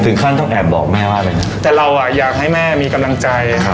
สินค้าต้องแอบบอกแม่ว่าอะไรนะแต่เราอ่ะอยากให้แม่มีกำลังใจครับ